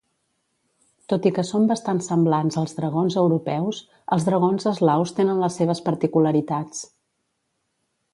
Tot i que són bastant semblants als dragons europeus, els dragons eslaus tenen les seves particularitats.